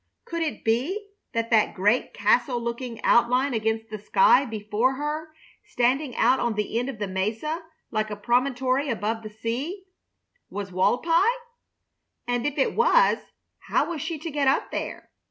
Could it be that that great castle looking outline against the sky before her, standing out on the end of the mesa like a promontory above the sea, was Walpi? And if it was, how was she to get up there?